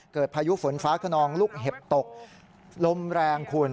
พายุฝนฟ้าขนองลูกเห็บตกลมแรงคุณ